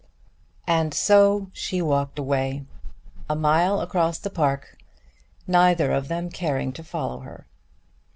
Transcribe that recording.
And so she walked away a mile across the park, neither of them caring to follow her.